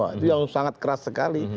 itu yang sangat keras sekali